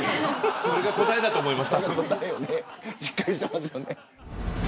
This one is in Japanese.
それが答えだと思います。